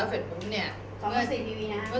เปิดไปที่๙ก็ไม่ย่าย